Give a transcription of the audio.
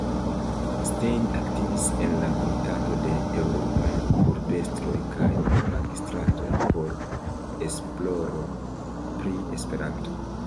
Stein aktivis en la Komitato de eŭropaj urbestroj kaj magistratoj por esploro pri Esperanto.